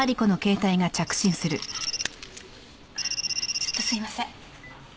ちょっとすいません。